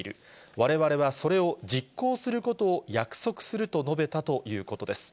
われわれはそれを実行することを約束すると述べたということです。